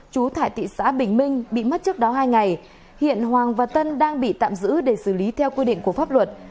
chú tại thị xã bình minh bị mất trước đó hai ngày hiện hoàng và tân đang bị tạm giữ để xử lý theo quy định của pháp luật